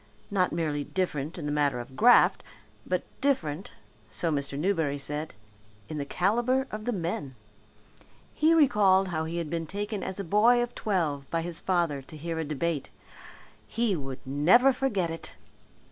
Not merely different in the matter of graft, but different, so Mr. Newberry said, in the calibre of the men. He recalled how he had been taken as a boy of twelve by his father to hear a debate. He would never forget it.